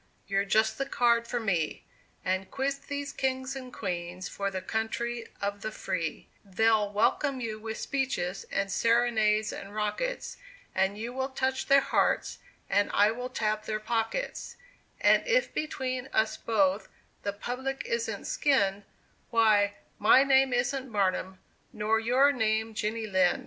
you're just the card for me, And quit these kings and queens, for the country of the free; They'll welcome you with speeches, and serenades, and rockets, And you will touch their hearts, and I will tap their pockets; And if between us both the public isn't skinned, Why, my name isn't Barnum, nor your name Jenny Lind!"